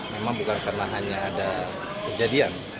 memang bukan karena hanya ada kejadian